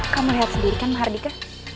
kamu lihat sendiri kan mahardika